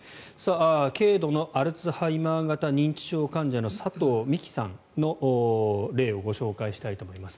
軽度のアルツハイマー型認知症患者のさとうみきさんの例をご紹介したいと思います。